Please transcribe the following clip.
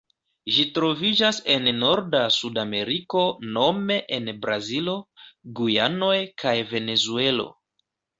Ĝi troviĝas en norda Sudameriko nome en Brazilo, Gujanoj kaj Venezuelo.